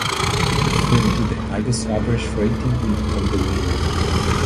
The film with the highest average rating will become the winner.